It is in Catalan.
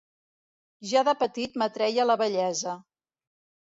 Ja de petit m'atreia la bellesa.